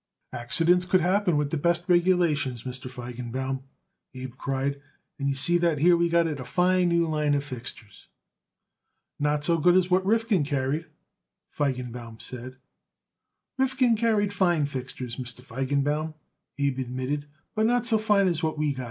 "Accidents could happen with the best regulations, Mr. Feigenbaum," Abe cried, "and you see that here we got it a fine new line of fixtures." "Not so good as what Rifkin carried," Feigenbaum said. "Rifkin carried fine fixtures, Mr. Feigenbaum," Abe admitted, "but not so fine as what we got.